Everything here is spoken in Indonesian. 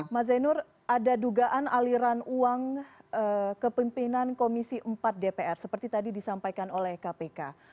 mas zainur ada dugaan aliran uang ke pimpinan komisi empat dpr seperti tadi disampaikan oleh kpk